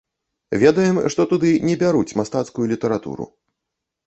Ведаем, што туды не бяруць мастацкую літаратуру.